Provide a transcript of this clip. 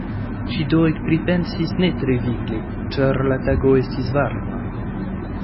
Ŝi do ekpripensis ne tre vigle ĉar la tago estis varma.